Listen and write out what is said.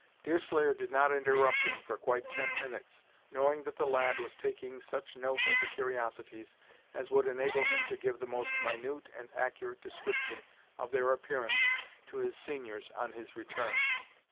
Deerslayer did not interrupt him for quite ten minutes, knowing that the lad was taking such note of the curiosities, as would enable him to give the most minute and accurate description of their appearance to his seniors, on his return.